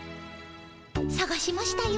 さがしましたよ。